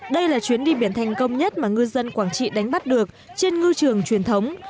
đây là chuyến đi biển thành công nhất mà ngư dân quảng trị đánh bắt được trên ngư trường truyền thống